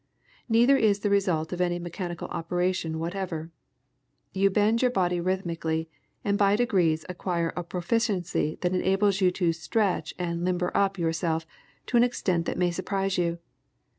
Neither is the result of any mechanical operation whatever. You bend your body rhythmically, and by degrees acquire a proficiency that enables you to "stretch" and "limber up" yourself to an extent that may surprise you.